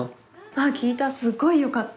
あっ聴いたすっごいよかった。